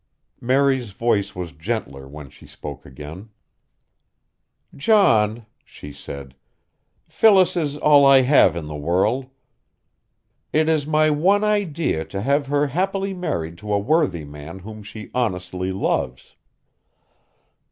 Mary's voice was gentler when she spoke again. "John," she said, "Phyllis is all I have in the world. It is my one idea to have her happily married to a worthy man whom she honestly loves.